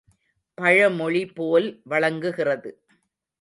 பழமொழி போல் வழங்குகிறது.